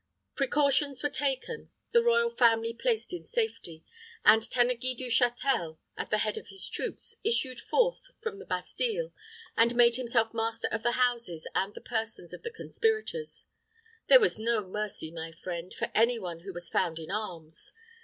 Precautions were taken; the royal family placed in safety; and Tanneguy du Châtel, at the head of his troops, issued forth from the Bastile, and made himself master of the houses and the persons of the conspirators. There was no mercy, my friend, for any one who was found in arms.